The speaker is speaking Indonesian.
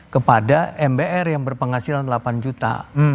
kepada mbr yang berpenghasilan delapan juta